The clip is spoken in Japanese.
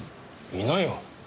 いないよ。